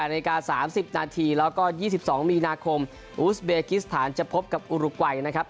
นาฬิกา๓๐นาทีแล้วก็๒๒มีนาคมอูสเบกิสถานจะพบกับอุรุกวัยนะครับ